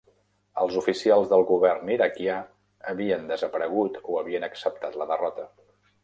Els oficials del govern iraquià havien desaparegut o havien acceptat la derrota.